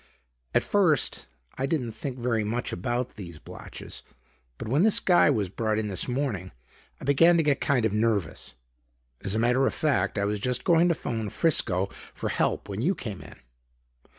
"At first I didn't think very much about these blotches, but when this guy was brought in this morning, I began to get kind of nervous. As a matter of fact, I was just going to phone Frisco for help when you come in."